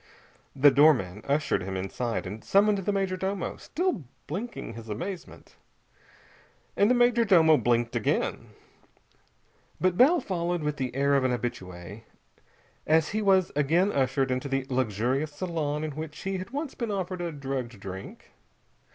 The doorman ushered him inside and summoned the major domo, still blinking his amazement. And the major domo blinked again. But Bell followed with the air of an habitué, as he was again ushered into the luxurious salon in which he had once been offered a drugged drink.